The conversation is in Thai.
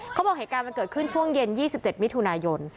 เขาบอกเหตุการณ์มันเกิดขึ้นช่วงเย็น๒๗มิถุนายน